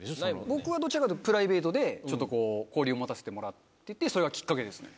僕はどっちかっていうと、プライベートでちょっとこう、交流を持たせてもらってて、それがきっかけですね。